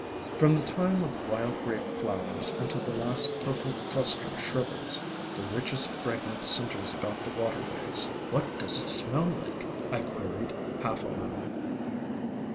From the time of Wild Grape flowers, until the last purple cluster shrivels, the richest fragrance centers about the waterways. "What does it smell like?" I queried, half aloud.